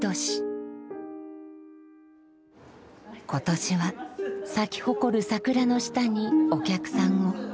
今年は咲き誇る桜の下にお客さんを。